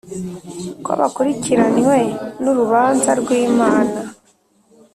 ko bakurikiranywe n’urubanza rw’Imana;